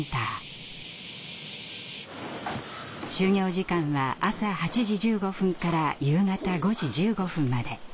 就業時間は朝８時１５分から夕方５時１５分まで。